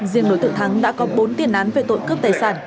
riêng đối tượng thắng đã có bốn tiền án về tội cướp tài sản